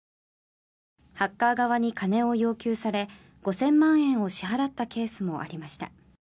ハッカー側に金を要求され５０００万円を支払ったケースもありました。